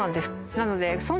なので